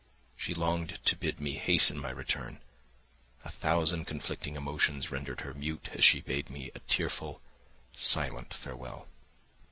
She longed to bid me hasten my return; a thousand conflicting emotions rendered her mute as she bade me a tearful, silent farewell.